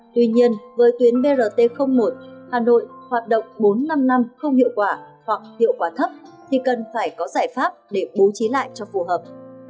tuy nhiên với tuyến brt một hà nội hoạt động bốn năm năm không hiệu quả hoặc hiệu quả thấp thì cần phải có giải pháp để bố trí lại cho phù hợp